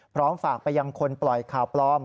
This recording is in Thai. พร้อมฝากไปยังคนปล่อยข่าวปลอม